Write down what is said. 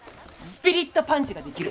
スピリットパンチ？